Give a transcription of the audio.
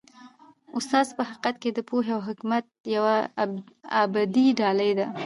استاد په حقیقت کي د پوهې او حکمت یوه ابدي ډالۍ ده.